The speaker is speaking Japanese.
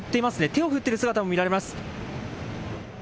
手を振っている姿も見られます。